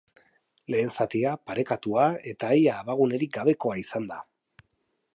Lehen zatia parekatua eta ia abagunerik gabekoa izan da.